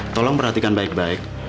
tolong perhatikan baik baik